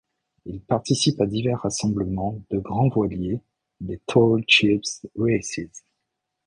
Il participe à divers rassemblements de grands voiliers des Tall Ships' Races.